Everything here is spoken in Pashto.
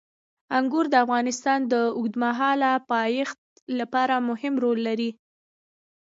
انګور د افغانستان د اوږدمهاله پایښت لپاره مهم رول لري.